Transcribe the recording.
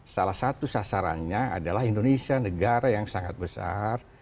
salah satu sasarannya adalah indonesia negara yang sangat besar